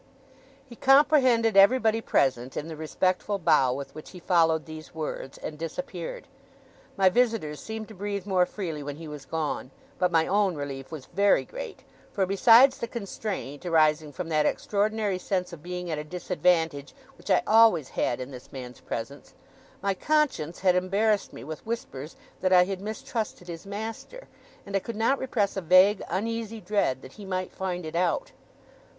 He comprehended everybody present, in the respectful bow with which he followed these words, and disappeared. My visitors seemed to breathe more freely when he was gone; but my own relief was very great, for besides the constraint, arising from that extraordinary sense of being at a disadvantage which I always had in this man's presence, my conscience had embarrassed me with whispers that I had mistrusted his master, and I could not repress a vague uneasy dread that he might find it out.